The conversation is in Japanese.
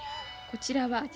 こちらは」。